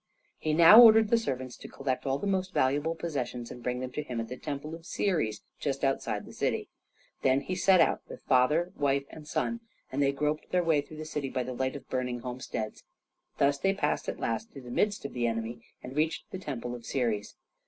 He now ordered the servants to collect all the most valuable possessions, and bring them to him at the temple of Ceres, just outside the city. Then he set out with father, wife and son, and they groped their way through the city by the light of burning homesteads. Thus they passed at last through the midst of the enemy, and reached the temple of Ceres.